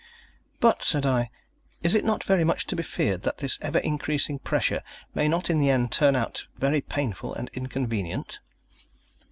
"But," said I, "is it not very much to be feared that this ever increasing pressure may not in the end turn out very painful and inconvenient?"